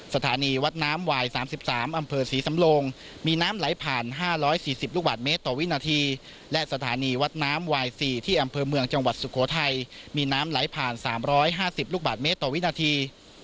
สถานีวัดน้ำวาย๓๓อำเภอศรีสำโลงมีน้ำไหลผ่าน๕๔๐ลูกบาทเมตรต่อวินาทีและสถานีวัดน้ำวาย๔ที่อำเภอเมืองจังหวัดสุโขทัยมีน้ำไหลผ่าน๓๕๐ลูกบาทเมตรต่อวินาที